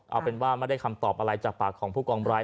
เอาเป็นว่าไม่ได้คำตอบอะไรจากปากของผู้กองร้าย